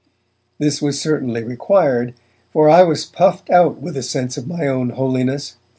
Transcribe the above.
This was certainly required, for I was puffed out with a sense of my own holiness.